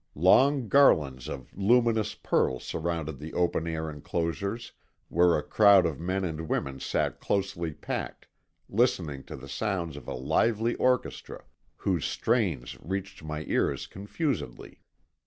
Long garlands of luminous pearl surrounded the open air enclosures where a crowd of men and women sat closely packed listening to the sounds of a lively orchestra, whose strains reached my ears confusedly.